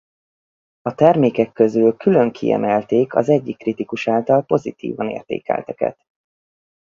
A termékek közül külön kiemelték az egyik kritikus által pozitívan értékelteket.